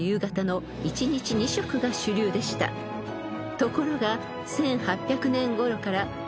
［ところが］